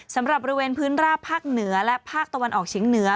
สำหรับบริเวณพื้นราบภาคเหนือและภาคตะวันออกเฉียงเหนือ